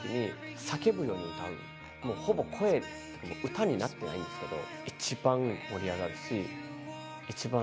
歌になってないんですけど。